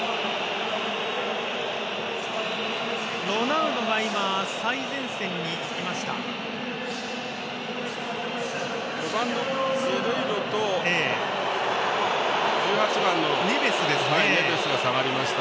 ロナウドが今、最前線に行きました。